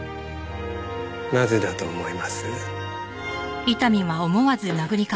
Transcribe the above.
なぜだと思います？